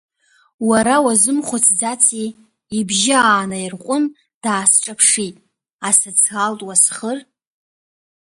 Уара уазымхәыцӡаци, ибжьы аанаирҟәын, даасҿаԥшит, асоциалтә уасхыр?